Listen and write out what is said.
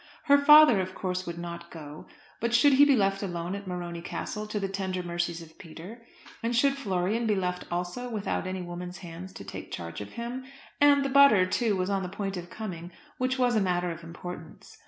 Her father, of course, would not go; but should he be left alone at Morony Castle to the tender mercies of Peter? and should Florian be left also without any woman's hands to take charge of him? And the butter, too, was on the point of coming, which was a matter of importance.